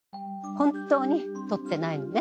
本当にとってないのね？